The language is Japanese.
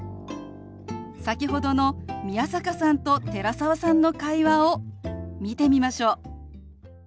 先ほどの宮坂さんと寺澤さんの会話を見てみましょう。